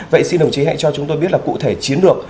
vậy xin đồng chí hãy cho chúng tôi biết là cụ thể chiến lược